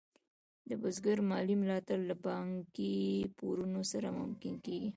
د بزګر مالي ملاتړ له بانکي پورونو سره ممکن کېږي.